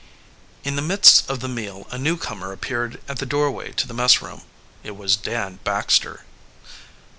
In the midst of the meal a newcomer appeared at the doorway to the messroom. It was Dan Baxter.